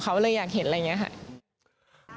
เขาเลยอยากเห็นอะไรอย่างนี้ค่ะ